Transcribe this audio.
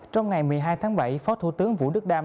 trong ngày một mươi hai tháng bảy phó thủ tướng vũ đức đam